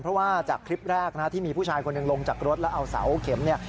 เพราะว่าจากคลิปแรกนะที่มีผู้ชายคนหนึ่งลงจากรถแล้วเอาเสาเข็มเนี่ย